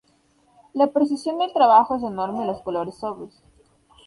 La precisión del trabajo es enorme y los colores sobrios.